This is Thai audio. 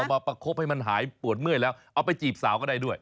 มาประคบให้มันหายปวดเมื่อยแล้วเอาไปจีบสาวก็ได้ด้วย